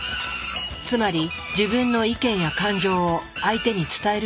つまり自分の意見や感情を相手に伝える手段なのだ。